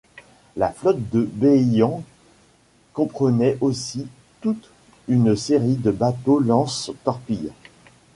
La flotte de Beiyang comprenait aussi toute une série de bateaux lance-torpille.